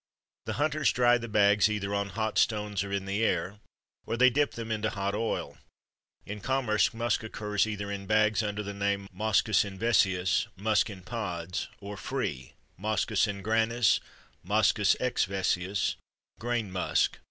The hunters dry the bags either on hot stones or in the air, or they dip them into hot oil. In commerce musk occurs either in bags under the name moschus in vesicis, "musk in pods," or free, moschus in granis, moschus ex vesicis, "grain musk."